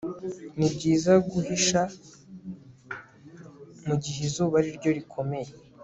Nibyiza guhisha mugihe izuba ariryo rikomeye